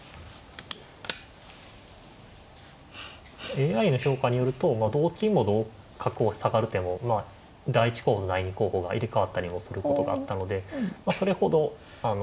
ＡＩの評価によると同金も角を下がる手も第一候補と第二候補が入れ代わったりもすることがあったのでそれほど悪くはないのかなという。